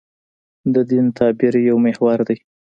د دین تعبیر یو محور دی.